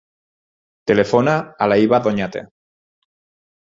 Telefona a la Hiba Doñate.